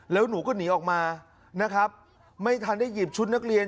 แล้วหนูก็หนีออกมานะครับไม่ทันได้หยิบชุดนักเรียน